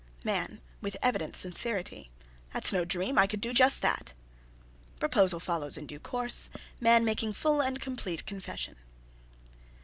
MAN. (With evident sincerity.) "That's no dream! I could do just that!" (_Proposal follows in due course, MAN making full and complete confession.